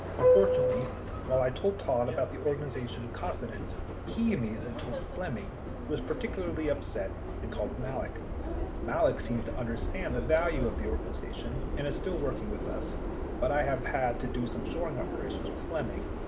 Unfortunately, while I told Todd about the organization in confidence, he immediately told Flemming, who was particularly upset and called Malek. Malek seems to understand the value of the organization, and is still working with us, but I have had to do some shoring operations with Flemming.